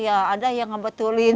ya ada yang ngebetulin